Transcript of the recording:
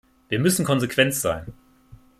Wir müssen konsequent sein.